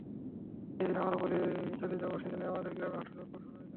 যেদিন আমরা চলি যাব, সেদিনই আমাদের গ্রামে হঠাৎ লুটপাট শুরু হইল।